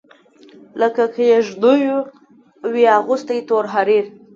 لکه کیږدېو وي اغوستي تور حریر